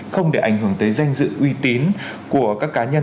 không để ảnh hưởng tới danh dự uy tín của các cá nhân